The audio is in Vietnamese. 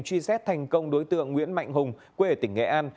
truy xét thành công đối tượng nguyễn mạnh hùng quê ở tỉnh nghệ an